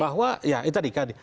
bahwa ya itu tadi